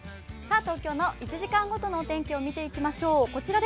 東京の１時間ごとの天気を見ていきましょう。